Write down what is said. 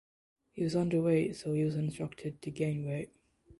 He was underweight so he was instructed to gain weight.